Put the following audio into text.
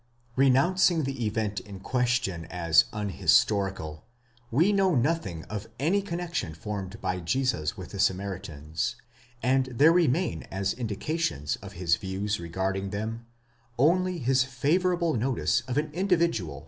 Renouncing the event in question as unhistorical, we know nothing of any connexion formed by Jesus with the Samaritans, and there remain as indica tions of his views regarding them, only his favourable notice of an individual.